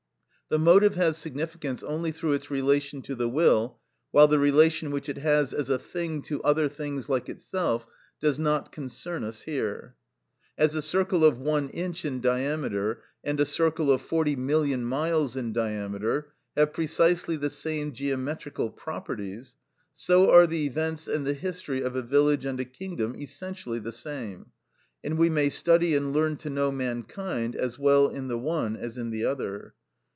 The motive has significance only through its relation to the will, while the relation which it has as a thing to other things like itself, does not concern us here. As a circle of one inch in diameter, and a circle of forty million miles in diameter, have precisely the same geometrical properties, so are the events and the history of a village and a kingdom essentially the same; and we may study and learn to know mankind as well in the one as in the other.